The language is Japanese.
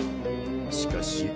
しかし。